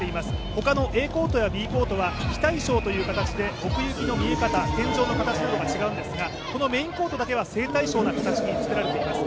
他のＡコートやＢコートは非対称という形で、奥行きの見え方、天井の形などが違うんですが、このメインコートだけは正対称の形に作られています。